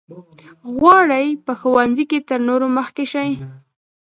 غواړي په ښوونځي کې تر نورو مخکې شي.